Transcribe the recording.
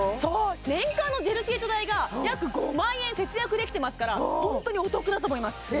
年間のジェルシート代が約５万円節約できてますからホントにお得だと思います